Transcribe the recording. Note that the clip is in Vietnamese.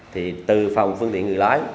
thì từ phòng phương tiện người lái